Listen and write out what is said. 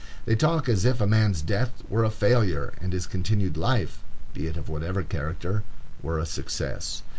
They talk as if a man's death were a failure, and his continued life, be it of whatever character, were a success.